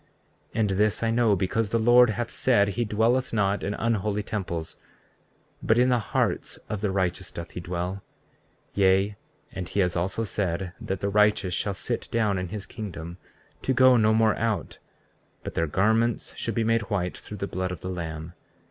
34:36 And this I know, because the Lord hath said he dwelleth not in unholy temples, but in the hearts of the righteous doth he dwell; yea, and he has also said that the righteous shall sit down in his kingdom, to go no more out; but their garments should be made white through the blood of the Lamb.